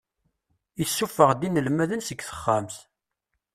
Isuffeɣ-d inelmaden seg texxamt.